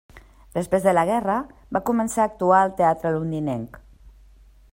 Després de la guerra, va començar a actuar al teatre londinenc.